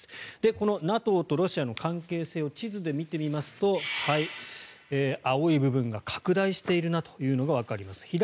このＮＡＴＯとロシアの関係性を地図で見てみますと青い部分が拡大しているなというのがわかります。